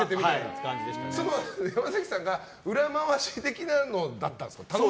山崎さんが裏回し的だったんですか？